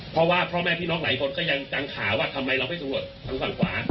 เพราะว่าพ่อแม่พี่น้องหลายคนก็ยังกังขาว่าทำไมเราไม่สำรวจทางฝั่งขวา